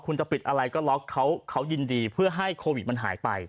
คุณจะปิดอะไรก็ล็อกเขาเขายินดีเพื่อให้โควิดมันหายไป